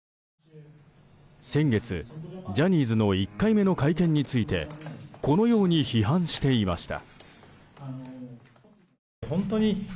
先月、ジャニーズの１回目の会見についてこのように批判していました。